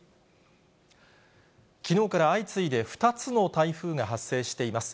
きのうから相次いで２つの台風が発生しています。